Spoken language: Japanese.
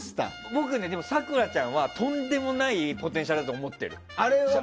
僕、咲楽ちゃんはとんでもないポテンシャルだと思ってる。